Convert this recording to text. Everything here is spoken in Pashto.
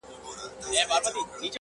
ما چي د ميني په شال ووهي ويده سمه زه!